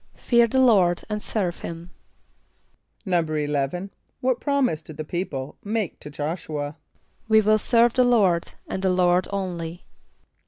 =Fear the Lord and serve him.= =11.= What promise did the people make to J[)o]sh´u [.a]? ="We will serve the Lord, and the Lord only."